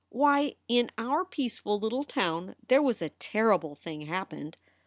"Why, in our peaceful little town there was a terrible thing happened.